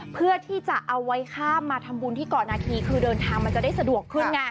เพื่อที่จะเอาไว้ข้ามมาทำบุญที่เกาะนาคีคือเดินทางมันจะได้สะดวกขึ้นไง